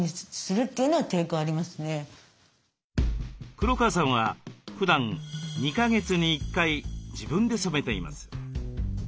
黒川さんはふだん２か月に１回自分で染めています。